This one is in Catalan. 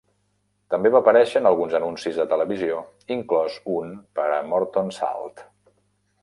També va aparèixer en alguns anuncis de televisió, inclòs un per a Morton Salt.